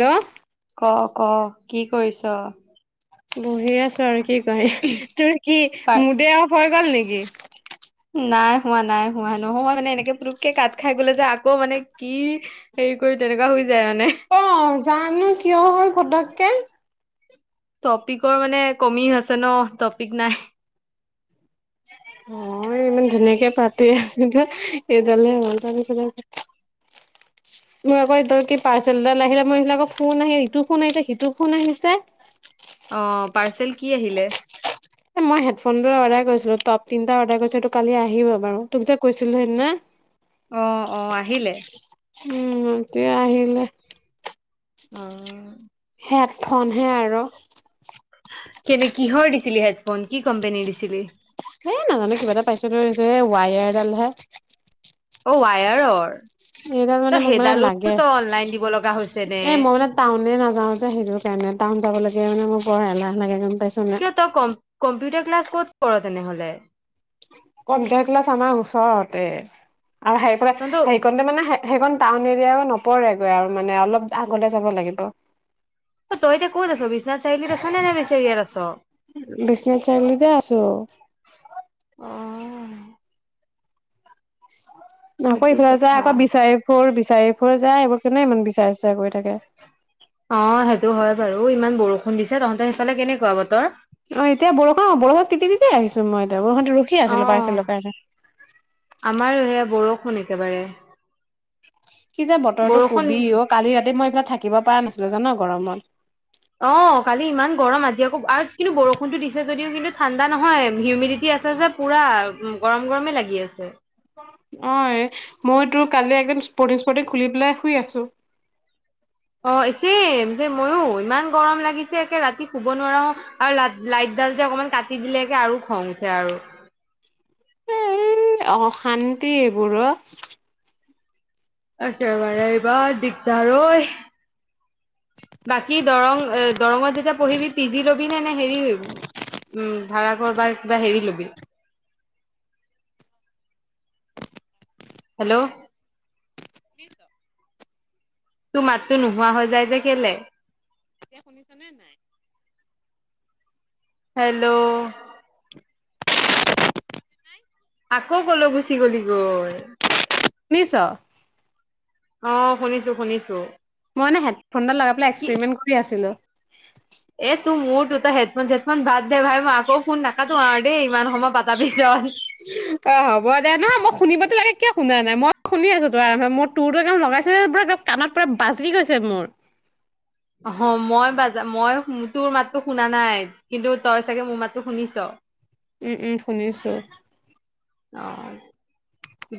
Hello ক ক কি কৰিছ বহি আছো আৰু কি কৰিম তোৰ কি পাই মুদে অফ হৈ গ'ল নেকি নাই নাই হোৱা নাই হোৱা নহয় মানে এনেকে পতুককে কাত খাই খাই গলে যে আকৌ মানে কি হেৰি কৰি তেনেকুৱা হৈ যায় মানে অ জানো কিয় হল পটক কে টপিকৰ মানে কমি আছে ন টপিক নাই। অহ ইমান ধুনীয়াকে পাতি আছিলে এইডালে হল তাৰপিছতে, মোৰ আকৌ এইডাল কি পাৰ্চেল এডাল আহিলে মই ইফালে আকৌ ফোন আহিল ইটো ফোন আহিছে সিটো ফোন আহিছে। অ পাৰ্চেল কি আহিলে? এ মই হেডফোন এডাল অৰ্ডাৰ কৰিছিলো টপ তিনিটা অৰ্ডাৰ কৰিছিলো কালি আহিব বাৰু তোক যে কৈছিলো সেইদিনা অ অ আহিলে উম এইটোৱে আহিলে। অহ হেডফোনহে আৰু কেনে কিহৰ দিছিলি হেডফোন কি কোম্পানীৰ দিছিলি? সেই নাজানো কিবা এটা পাইছো লৈ আহিছো সে ৱায়াৰ এডালহে। অ ৱায়াৰৰ। এই ডাল মানে তই মোক মানে সেইডালো লাগে তই অনলাইন দিব লগা হৈছে নে? এ মই মানে টাউনে নাযাও যে সেইটো কাৰণে টাউন যাব লাগিলে মানে মোৰ বৰ এলাহ লাগে গমপাইছা কিয় তই কম্প কম্পিউটাৰ ক্লাছ ক'ত কৰো তেনেহ'লে? কম্পিউটাৰ ক্লাছ আমাৰ ওচৰতে আৰু, সেই তহত সেইখনণতে মানে সেই টাউন ৰিয়য়াও নপৰেগৈ, আৰু মানে অলপ আগলে যাব লাগিব। তই এতিয়া ক'ত আছ বিশ্বনাথ চাৰিআলিত আছ নে নে বেচেৰিয়াত আছ? বিশ্বনাথ চাৰিআলিতে আছো। অ', আকৌ সেইটো ইফালে যায় কথা। আকৌ বিচাৰি ফুৰ, বিচাৰি ফুৰ যায়, এইবোৰ কেনে ইমান বিচাৰ চিচাৰ কৰি থাকে অ', সেইটো হয় বাৰু ইমান বৰষুণ দিছে, তহঁতৰ সেইফালে কেনেকুৱা বতৰ? অ', এতিয়া বৰষুণ বৰষুণত তিতি তিতি আহিছো মই দেৱৰহতো ৰখি আছিল, অ'। ৰ্পাচেলৰ কাৰণে কোন একেবাৰে কি যে বতৰটো বৰষুণ কবি অ', কালি ৰাতি মই এইবিলাক থাকিব পৰা নাছিলো, জান গৰমত অ কালি ইমান গৰম, আজি আকৌ আৰু কিন্তু বৰষুণতো দিছে যদিও কিন্তু ঠাণ্ডা নহয়, হিউমিডিটি আছে যে পুৰা গৰম গৰমে লাগি আছে। অ মই তোৰ কালি একদম স্পটিং স্পটিং খুলি পেলাই শুই আছো। অ', একেই ময়ো ইমান গৰম লাগিছে একে ৰাতি শুব নোৱাৰা, আৰু ল-লাইট ডাল যে অকমান কাটি দিলে একে আৰু খং উঠে আৰু অ', অশান্তি এইবোৰ অ, ' একেবাৰে এইবাৰ দিগদাৰ ঐ, বাকী দৰং দৰঙত যেতিয়া পঢ়িবি পিজি লবি নে নে হেৰি উম ভাড়াঘৰ বা কিবা হেৰি লবি? হেল্ল', [unintelligible] তোৰ মাতটো নোহোৱা হৈ যায় যে কেলে? এতিয়া শুনিছ নে নাই? হেল্ল', আকৌ কলৈ গুচি গলি গৈ? শুনিছ? অ', শুনিছো শুনিছো মই এনে হেডফোনডাল লগাই পেলাই কি এক্সেৰিমেন্ট কৰি আছিলো। হে এ' তোৰ মোৰতো তই হেডফোন চেডফোন খন বাদ দে ভাই মই আকৌ ফোন নাকাতো আৰু দেই, ইমান সময় পাতা পিছত অ', হ'ব দে নহয় মই শুনিবতো লাগে কিয় শুনা নাই মই শুনি আছো তোৰ আৰম্ভে মোৰ তুৰ তো একণ লগাইছে পুৰা এক কাণত পুৰা বাজি গৈছে মোৰ অ মই বাজা মই তোৰ মাতটো শুনা নাই কিন্তু তই চাগে মোৰ মাতটো শুনিছ। উম-উম শুনিছো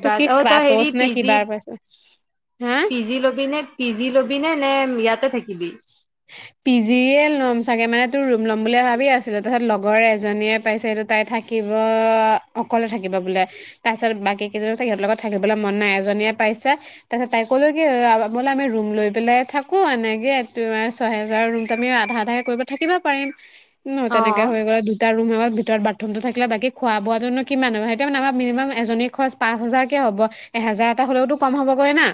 তোৰ কি অ', তই হেৰি ক্ৰাটচ নে পিজি কিবাৰ পাইছে হা? পিজি ল'বি নে পিজি ল'বি? থাকিবি নে ইয়াতে থাকিবি? পি জিয়ে লম চাগে মানে তোৰ ৰুম ল'ম বুলি ভাবি আছিলো তাৰছত লগৰ এজনীয়ে পাইছে, সেইটো তাই থাকিব অকলে থাকিব বোলে তাৰ পিছত বাকী কেইজনীও চাগে সিহঁতৰ লগত থাকিবলৈ মন নাই, এজনীয়ে পাইছে তাৰ পিছত তাই ক'লো কি বোলে আমি ৰুম লৈ পেলাই থাকো এনেকে তোমাৰ ছহেজাৰৰ ৰুমটোত আমি আধা-আধা কৰিব থাকিবা পাৰিম। ন, অ তেনেকে হৈ গ'ল দুটা ৰুমত। ভিতৰত বাথৰুমটো থাকিলে, বাকী খোৱা বোৱাটোনো কিমান নো সেইটো মিনিমাম এজনী খৰচ পাঁচ হাজাৰকে হ'ব এহেজাৰ এটা হলেওতো কম হবগৈ না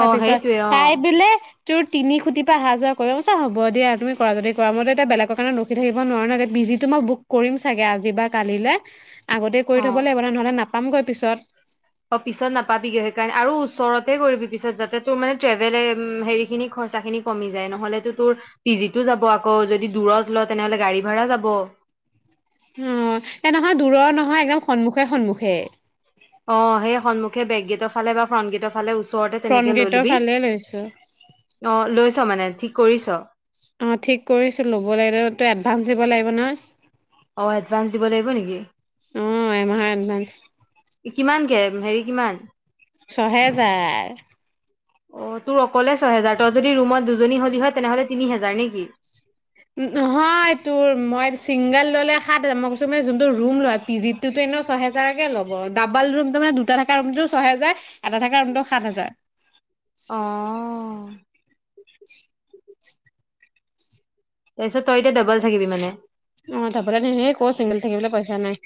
অ সেইটোৱে অ তাই বুলে তোৰ তিনি খুটি পা অহা যোৱা কৰিছা হ'ব দিয়া তুমি কৰা যদি কৰা মইতো এতিয়া বেলেগৰ কাৰণে ৰখি থাকিব নোৱাৰ ন এ পিজিটো মই বুক কৰিম চাগে আজি বা কালিলে আগতে কৰি অ থ'ব লাগিব নহ'লে নাপাম পামগৈ পিছত অ পিছত নাপাবিগে সেইকাৰণে আৰু ওচৰতে কৰিবি পিছত যাতে তোৰ মানে ট্ৰেভেল হে হেৰি খৰচাখিনি কমি যায় নহলে ত তোৰ পিজিতো যাব আকৌ যদি দূৰত ল তেনেহলে গাড়ী ভাড়া যাব অ এ নহয় দূৰৰ নহয় একদম সন্মুখে সন্মুখে খে অ সেই সন্মুখে বেকগেটৰ ফালে বা ফ্ৰণ্ট গেটৰ ফালে ওচ ফ্ৰণ্ট গেটৰ ফালে লৈছো অ লৈছ মানে ঠিক কৰিছ অ ঠিক কৰিছিলো লব লাগিব ত এডভান্স দিব লাগিব নহয় অ এডভাঞ্চ দিব লাগিব নেকি অ' এমাহৰ এডভান্স কিমানকে হেৰি কিমান ছহেজাৰ অ তোৰ অকলে ছয় হেজাৰ তই যদি ৰুমত দুজনী হলি হয় তেনেহ'লে তিনি হেজাৰ নেকি নহয় তোৰ মই চিংগল ললে সাত হাজাৰ মই কৈছো মানে যোনটো ৰুম লয় পিজিতটো এনেও ছহেজাৰকে ল'ব ডাবল ৰুমতো মানে দুটা থকা ৰুমটো ছয়হেজাৰ এটা থকা ৰুমটো সাত হেজাৰ অহ তাছত তই এতিয়া ডাবল থাকিবি মানে অ তাৰপৰা, সেই এনেই ক, চিংগল থাকিবলৈ পইচা নাই।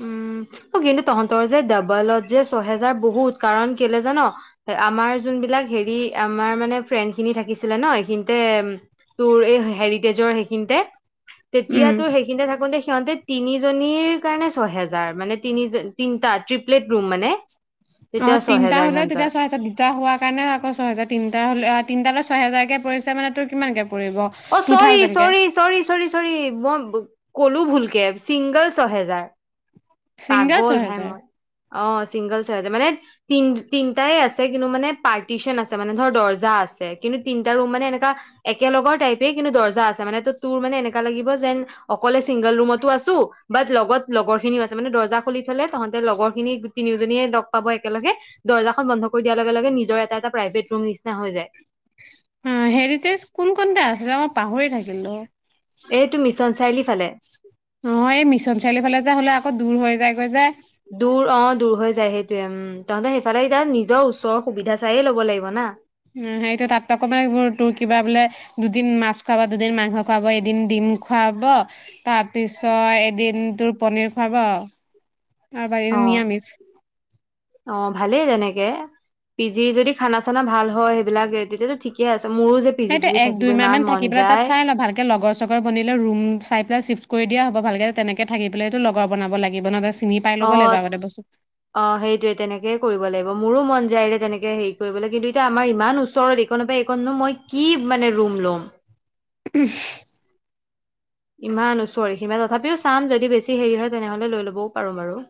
উম। কিন্তু তহঁতৰ যে ডাবলত যে ছহেজাৰ বহুত, কাৰণ কেলে জান? আমাৰ যোন বিলাক হেৰি, আমাৰ মানে ফ্ৰেণ্ড খিনি থাকিছিলে ন এইখিনিতে, তোৰ এই হেৰিটেজৰ সেইখিনিতে। উম তেতিয়াটো সেইখিনিতে থাকোতে সিহঁতে তিনিজনীৰ কাৰণে ছহেজাৰ, মানে তিনি জনী, তিনটা তি অ তিনটা ছহেজাৰ হলে সিহঁতৰ তেতিয়া ছয় হেজাৰ। দুটা হোৱা কাৰণে আকৌ ছয় হজাৰ। তিনটা হলে, অ তিনটালে ছয় হেজাৰকে পৰিছে মানে তোৰ কিমানকে পৰিব অ টু চৰি থাউজেণ্ডকে চৰি, চৰি চৰি চৰি, মই বো কলো ভুলকে, ছিংগল ছহেজাৰ। ছিংগল পাগল ভাই ছহেজাৰ মই, অ চিংগল ছহেজাৰ। মানে তিন তিনটাই আছে ছে কিন্তু মানে পাৰ্টিচন আছে মানে ধৰ দৰ্জা আছে। কিন্তু তিনটা ৰুম মানে এনেকা একেলগৰ টাইপে কিন্তু দৰ্জা আছে মানে। ত তোৰ মানে এনেকা লাগিব যেন অকলে ছিংগল ৰুমতো আছোঁ, বাট লগত লগৰ খিনিও আছে মানে দৰ্জা খুলি থলে তাহঁতে লগৰ খিনি তিনিওজনীয়ে লগ পাব একেলগে, দৰ্জাখন বন্ধ কৰি দিয়াৰ লগে লগে নিজৰ এটা এটা প্ৰাইভেট ৰুম নিচিনা হৈ যায়। অ হেৰিতেজ, কোন কতে আছিলে আমাৰ পাহৰি থাকিলোঁ। অ, এইটো মিছন চাৰিআলি ফালে এই মিছন চাৰিআলি ফালে যে হ'লে আকৌ দূৰ হৈ যায়গৈ যে। দূৰ অ, দূৰ হৈ যায় সেইটোয়ে উম, তহঁতে সেইফালে যায় নিজৰ ওচৰৰ সুবিধা চায়েই ল'ব লাগিব না। উ, সেইটো তাত আকৌ মানে তোৰ কিবা বোলে দুদিন মাছ খোৱাব দুদিন মাংস খোৱাব এই দু দিন ডিম খোৱাব, তাৰপিছত এদিন তোৰ পনীৰ খুৱাব। বাকী অ', নিৰামিষ। অ', ভালেই তেনেকে কে পি জি যদি খানা চানা ভাল হয়, সেইবিলাক তেতিয়াটো ঠিকে আছে। মোৰো যে পি জি চি সেইটো জি এক থাকিব দুইমাহ ইমান মান মন থাকি পেলাই তাত যায় চাই ল ভালকে লগৰ চৰ বনিলে ৰুম চাই পেলাই চিফ কৰি দিয়া হ'ব ভালকে, তেনেকৈ থাকি পেলাইতো লগৰ বনাব লাগিব ন চিনি পাই ল'ব লাগিব অ', আগতে বস্তু। অ', সেইটোয়ে তেনেকেই কৰিব লাগিব। মোৰো মন যায় ৰে তেনেকে হেৰি কৰিবলৈ। কিন্তু এতিয়া আমাৰ ইমান ওচৰত এইকণৰ পৰা এইকণনো মই কি মানে ৰুম লম। উহ্। ইমান ওচৰ এইখিনিৰ পৰা। তথাপিও চাম, যদি বেছি হেৰি হয়, তেনেহলে লৈ লবও পাৰোঁ বাৰু।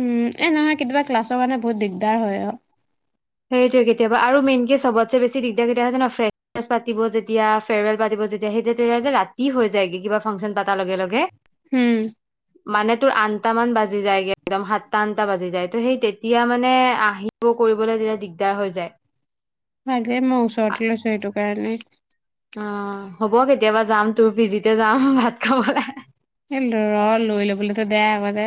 উম, এ নহয় কেতিয়াবা ক্লাছৰ কাৰণে বহুত দিগদাৰ হয় অ। সেইটোৱেইটো, কেতিয়াবা আৰু মেইন কে চবতচে বেছি দিগদাৰ কেটিয়া হয় জান, ফ্ৰেচাৰ্ছ পাতিব যেতিয়া, ফেয়াৰৱেল পাতিব যেতিয়া, সেই তেতিয়া যে ৰাতি হৈ যায়গে কিবা ফাংচন পাতাৰ লগে লগে। হম। মানে তোৰ আনটা মান বাজি যায়গে একদম সাতটা আনটা বাজি যায় ত সেই তেতিয়া মানে আহিব কৰিবলৈ দিলে। দিগদাৰ হৈ যায়। ভালে মই ওচৰততে লৈছো সেইটো কাৰণে। অ, হ'ব কেতিয়াবা যাম তোৰ পিজিতে যাম ভাত খাবলৈ। এই ৰ লৈ ল'বলৈতো দে আগতে।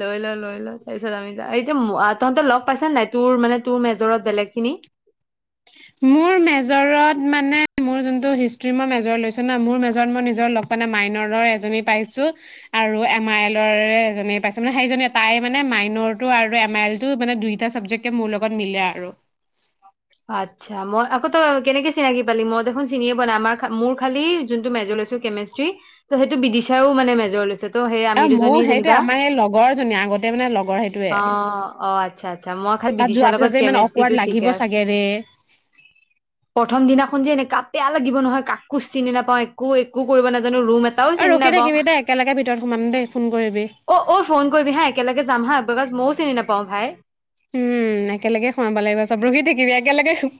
লৈ, ল, লৈ, ল তাৰপিছত আমি য এতিয়া তহঁতে লগ পাইছ ন নাই তোৰ মানে তোৰ মেজৰত বেলেগ খিনি। মোৰ মেজৰত মানে মোৰ যোনটো হিষ্ট্ৰী মই মেজৰ লৈছো ন, মোৰ মেজৰ মই নিজৰ লগ মানে মাইনৰৰ এজী পাইছো। আৰু এম আই এলৰে এজনে পাইছো। মানে সেইনে তাই মানে মাইনৰ টো আৰু এম আই এল টো মানে দুইটা চাবজেক্টে মোৰ লগত মিলে আৰু। আচ্ছা মই আকৌ তই কেনেকে চিনাকি পালি মই দেখোন চিনিয়ে বনা আমাৰ মোৰ খালি যোনটো মেজৰ লৈছো কেমেষ্ট্ৰি ত সেইটো বিদশাও মানে মেজৰ লৈছে। ত' সেই অ, আমি মোৰ দুজনী সেইটোৱে যেনিবা আমাৰ এই লগৰজনী আগতে মানে লগৰ সেইটোয়ে অ আৰু অ আচ্ছা আচ্ছা মই খালি তাত বিদিশাৰ যোৱাৰ পিছত লগত যে ইমান কেমেষ্ট্ৰিটো অকড ঠিকে লাগিব আছে চাগে ৰে। প্ৰথম দিনাখন যে এনেকা বেয়া লাগিব নহয় কাকো চিনি নাপাওঁ একো একো কৰিব ন ৰুম এটাও ৰখি চিব অ', থাকিবি দেই একেলগে ভিতৰত সোমাম দেই ফোন কৰিবি অ', ফোন কৰিবি হা একেলগে যাম হা। বিকজ মইও চিনি নাপাওঁ ভাই। উম একেলগে সোমাব লাগিব চব ৰহি থাকিবি। একেলগে চু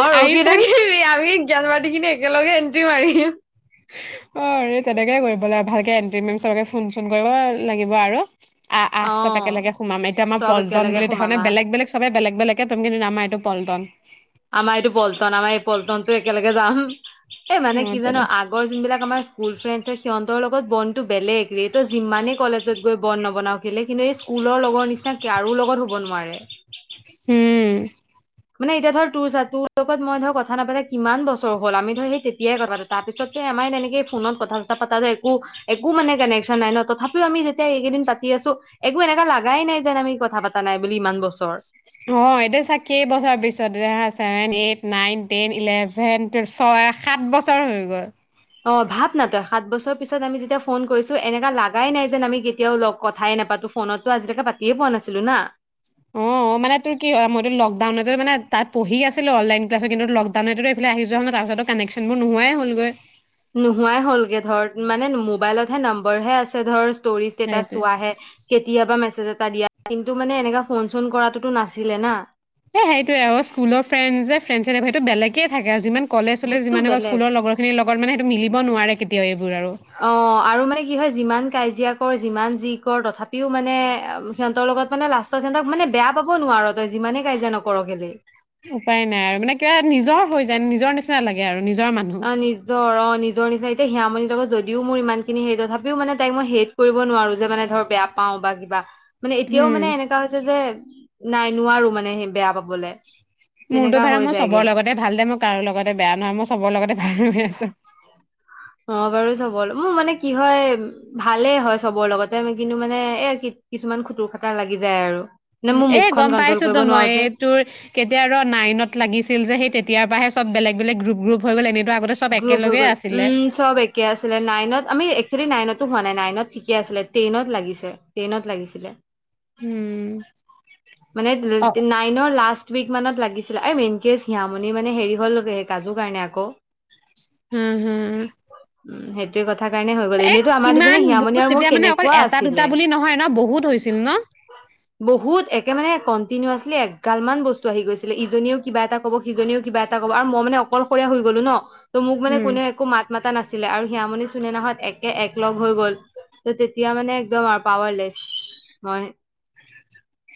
অ, ৰখি থাকিবি আমি জ্ঞান বাটি কিনে একেলগে এণ্ট্ৰি মাৰিম। অ, তেনেকে কৰিব লাগে। ভালকে এট্ৰি মাৰিম চবকে ফোন চোন কৰিব লাগিব আৰু। আহ, অ আহ চব একেলগে সোমাম এতিয়া আমাৰ চব পল্ন একেলগে বুলি সোমাম দেখানে আহ বেলেগ-বেলেগ চবে বেলেগ। বেলেগে তম কিন্তু নামটো পল্টন আমাৰ এইটো পল্টন আমাৰ এই পল্টনতটো একেলগে যাম এই মানে অ কি জানো তেনে আগৰ যোন বিলাক আমাৰ স্কুল ফ্ৰে সিহঁতৰ লগত বনতটো বেলেগৰে তো যিমানে কলেজত গৈ বন নবনাও খিলে কিন্তু এই স্কুলৰ লগৰ নিচিনা কাৰো লগত হব নোৱাৰে উম মানে এতিয়া ধৰ তোৰ চা তোৰ লগত মই ধৰ কথা নাপাা কিমান বছৰ হ'ল আমি ধৰ সেই তেতিয়াই কথা পা তাৰপিছতে আমাৰ তেনেকে ফোনত কথা পা পাতা যে একো একো মানে কানেকশ্যন নাই ন তথাপিও আমি যেতিয়া এইকেইদিন পাতি আছো একো এনেকা লাগাই নাই যেন আমি কথা পাতা নাই বুলি ইমান বছৰ অ এতিয়া চ কেইবছৰ পিছত এতিয়া seven eight nine ten eleven twelve ছয় সাত বছৰ হৈ গ'ল অ ভাৱ ন তই সাত বছৰ পিছত আমি যেতিয়া ফোন কৰিছো এনেককা ল লগাই নাই যেন আমি কেতিয়াও লগ কথাই নাপাতো ফোনতো আজিলৈকে পাতিয়ে পোৱা নাছিলো না অ মানে তোৰ কি হয় মই লকডাউনতো মান তাতঢি আছিলো অনলন্লাছত কিন্তু লকডাউনতো এইফালে আহি যোৱা হ ন তাৰ পাছত কানকশ্যন বোৰ নোৱাই হ'লগৈ নোহোৱাই হ'লগে ধৰ মানে মোবাইলতহে নম্বৰ হে আছে ধৰ ষ্টেটাছ সেইটোৱে চোৱা হয়। কেতিয়াবা না দিয়া কিন্তু মানে এনেকা ফোন চোন কৰাটোতো নাছিলে না হে সেইটো এ স্কুলৰ ফ্ৰেচ যে তে সেইটো বেলেগে থাকে আৰু যিমান কলেজ চলেজ সেইটো যিমান আকৌ বেলেগ স্কুলৰ লগৰখিনিৰ লগত মানে সেইটো মিলিব নোৱাৰে কেতিয়াও এইবোৰ আৰু অ আৰু মানে কি হয় যিমান কাজিয়া কৰ যিমান যি কৰ তথাপি ও মানেম সিহঁতৰ লগত মানে লাষ্টৰ সিহঁক মানে বেয়া পাব নোৱাৰ তই যিমানে কাই যে নকৰক হলে উপায় নাই আৰু মানে কিবা নিজৰ হৈ যায় নিজৰ নিচিনা লাগে আৰু নিজৰ মানুহ অ নিজৰ ৰ। নিজৰ নিচা এতিয়া সিয়ামণিৰ লগ যদিও মোৰ ইমান খিনি হেই তথাপিও মানে তাইক মই হেট কৰিব নোৱাৰো যে মানে ধৰ বেয়া পাওঁ বা কিবা। মানে এতিয়াও উম মানে এনেককা হৈছে যে। নাই নোৱাৰো মানে সেই বেয়া পাবলৈ। মোৰতো ভাড়া মই চবৰ লগতে ভাল দে মই কাৰো লগতে বেয়া নহয় মই চবৰ লগতে। নছো। অ বাৰু চবৰ মোৰ মানে কি হয় ভালেই হয় চবৰ লগতে কিন্তু মানে এ কিছুমান খুতুৰ খটাাৰ লাগি যায় আৰু। উ মানে মোৰ এ মুখখন গম কন্ট্ৰল পাইছো কৰিব তো মই নোৱাৰো যে এই তোৰ কেতিয়া ৰ নাইনত লাগিছিল যে সেই। ইয়াৰ পৰাাহেব বেলেগেলেগ গ্ৰপ গ্ৰু হৈ গ' এনে। গ্ৰুপ হৈ গ'ল উম চব একে আছিলে নাইনত আমি একচুৱেলি নাইনতো হোৱা নাই নাইনত। ঠিকে আছিলে ট্ৰেইনত লাগিছে ট্ৰেইনত লাগিছিলে। উম। মানে অ নাইনৰ লাষ্ট। উক মানত লাগিছিলে। এই ইন কেছ হিয়ামণি মানে হেৰি হ'ল স কাজুৰ কাৰণে আকৌ। হম, হম। উম সেইটোয়ে কথা। কাৰণে হৈ গ'ল এ এনেইতো আমাৰ দুজনী কিমান হিয়ামণি বহুত আৰু মোৰ তেতিয়া মানে অকল কেনেকুৱা এটা দুটা আছিলে বুলি নহয় ন বহুত হৈছিল ন। তে মানে কণ্টিনিচলি এগাল মান বস্তু আহি গৈছিলে। ইজনীও কিবা এটা কব সিজননেও কিবা এটা কব আৰু মই মানে অকলশৰীয়া হৈ গলো ন। তো মোক মান উম কোনে একো মা। মাতা নাছিলে আৰু হিয়ামণি চুনে নহত একে এক লগ হৈ গ'ল ত তেতিয়া মানে একদম আৰু পাৱাৰলেছ মই।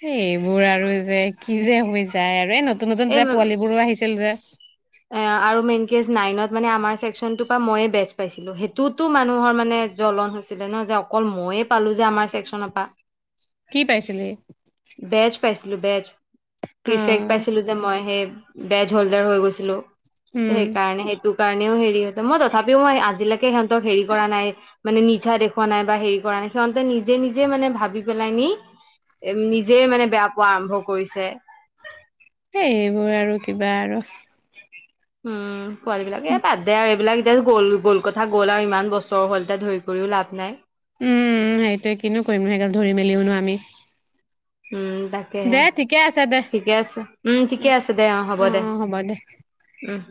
সবোৰ আৰু যে কি যে হৈ যায়। যায় আৰু নতুন। নতুন এই নতুন পোৱালিবোৰো আহিছিল যে। [unintelligible] এ আৰু মেইন কেচ নাইনত মানে আমাৰ চেকশচনটোৰ পৰা মইয়ে বেচ পাইছিলো। সেইটোতো মানুহৰ মানে জ্বলন হৈছিলে ন যে অকল মইয়ে পালো যে আমাৰ চছেক্চনৰ পৰা। কি পাইছিলি। বেজ পাইছিলো বেজ। অ প্ৰফে পাইছিলো যে মই সেই। বেজ হল্ডাৰ হৈ গৈছিলো। উম সেইকাৰণে সেইটো কাৰণেও হেৰি। মই তথাপিও মই আজিলৈকে সিহঁতক হেৰি কৰা নাই মানে নিজা দেখুওৱা নাই। বা হেৰি কৰা নাই সিহঁতে নিজে নিজে মানে ভাবি পেলাই নি। নিজে মানে বেয়া পোৱা আৰম্ভ কৰিছে। এইেই এইবোৰ আৰু কিবা আৰু। উম। পোৱাল বিলাক এ পাদ দে এইবিলাক আৰু। এতিয়া গ'ল গ'ল কথা গ'ল আৰু ইমান বছৰ হ'লতিয়া ধৰি কৰিও লাভ নাই। উমম সেইটোৱে কিনো কৰিম ন সেই গাল ধৰি মেলিওনো আমি। [inaudible] উম তাকেহে, দে ঠিকে আছে দে ঠিকে আছে, উম ঠিকে আছে দে, অ হ'ব দে। অ হ'ব দে উম। [inaudible]